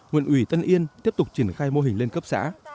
huyện ủy tân yên tiếp tục triển khai mô hình lên cấp xã